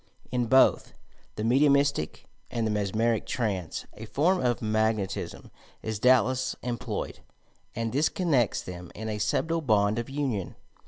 In both the mediumistie and the mesmeric trance a form of "magnetism" is doubtless employed, and this connects them in a subtle bond of union.